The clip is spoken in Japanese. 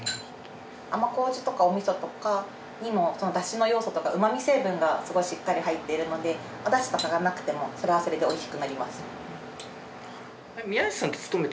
甘麹とかお味噌とかにも出汁の要素とか旨み成分がすごいしっかり入ってるのでお出汁とかがなくてもそれはそれで美味しくなります。